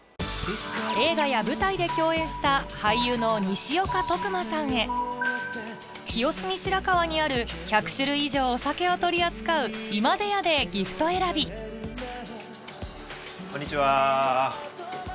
映画や舞台で共演した俳優の西岡馬さんへ清澄白河にある１００種類以上お酒を取り扱う「いまでや」でギフト選びこんにちは。